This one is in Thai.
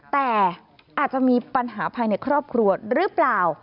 แต่อาจจะมีปัญหาภายในครอบครัวหรือเปล่า